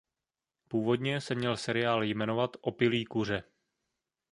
Původně se měl seriál jmenovat "Opilý kuře".